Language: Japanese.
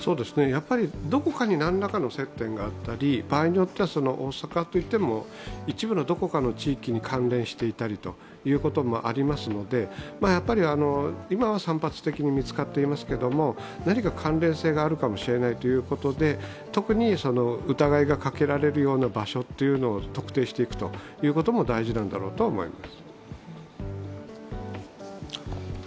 どこかに何らかの接点があったり、大阪といっても一部のどこかの地域に関連していたりということもありますので、今は散発的に見つかっていますが何か関連性があるかもしれないということで特に疑いがかけられるような場所を特定していくことも大事なんだろうと思います。